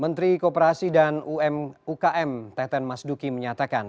menteri kooperasi dan ukm teten mas duki menyatakan